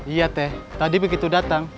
iya teh tadi begitu datang